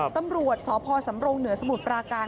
ตำรวจสพสำรงเหนือสมุทรปราการ